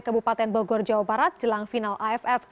ke bupaten bogor jawa barat jelang final aff